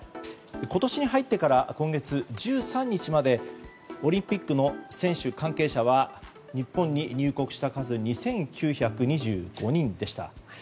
今年に入ってから今月１３日までオリンピックの選手、関係者は日本に入国した数２９２５人でした。